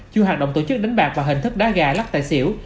chung hạt động tổ chức đánh bạc và hình thức đá gà lắc tại xỉu